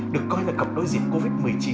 được coi là cặp đối dịch covid một mươi chín